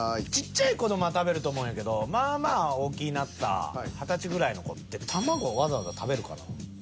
ちっちゃい子供は食べると思うんやけどまあまあ大きいなった二十歳ぐらいの子ってたまごわざわざ食べるかな？